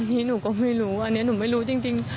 พี่หนูก็ไม่รู้อันนี้หนูไม่รู้จริง